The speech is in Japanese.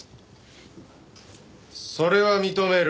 それは認める。